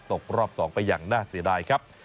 ตกรอบ๒ไปอย่างน่าเสียดายครับ